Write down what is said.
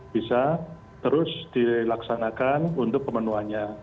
bisa terus dilaksanakan untuk pemenuhannya